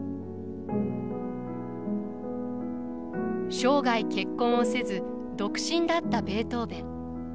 生涯結婚をせず独身だったベートーヴェン。